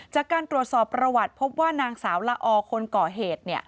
จากการตรวจสอบประวัติพบว่านางสาวละออคนก่อเหตุ